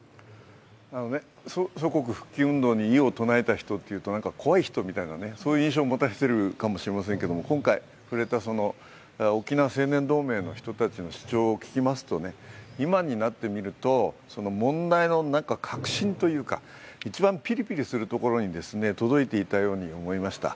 祖国復帰運動に異を唱えた人というと、怖い人みたいな印象を持たれているかもしれませんけれども、今回触れた沖縄青年同盟の人たちの主張を聞きますと、今になってみると、問題の核心というか、一番ピリピリするところに届いていたように思いました。